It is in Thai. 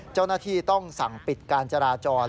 เจ้าหน้าที่ต้องสั่งปิดการจราจร